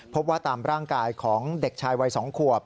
พบว่าตามร่างกายของเด็กชายวัย๒ขวบ